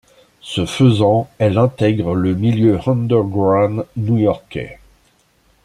Ce faisant, elle intègre le milieu underground new-yorkais.